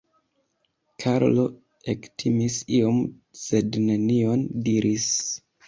Karlo ektimis iom sed nenion diris.